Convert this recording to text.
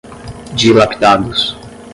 dilapidados